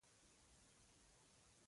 د صحافت تر ملنډو هم بد عمل دی.